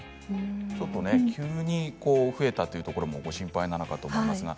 急に増えたというところも心配なのかと思いますが。